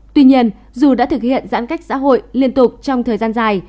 tuy nhiên dù đã thực hiện giãn cách xã hội liên tục trong thời gian dài